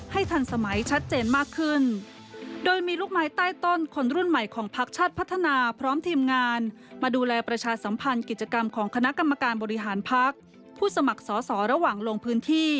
ให้ทันสมัยชัดเจนมากขึ้น